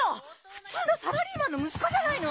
普通のサラリーマンの息子じゃないの！